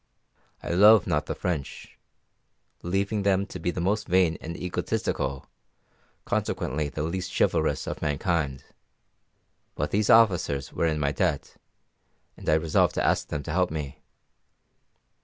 I love not the French, believing them to be the most vain and egotistical, consequently the least chivalrous, of mankind; but these officers were in my debt, and I resolved to ask them to help me.